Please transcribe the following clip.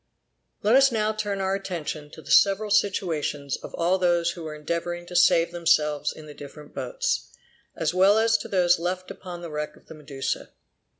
Let us now turn our attention to the several situations of all those who were endeavoring to save themselves in the different boats, as well as to those left upon the wreck of the Medusa.